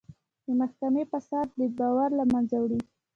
د محکمې فساد باور له منځه وړي.